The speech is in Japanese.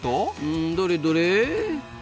うんどれどれ？